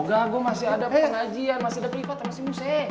oga lah gua masih ada pengajian masih ada pribadi masih muse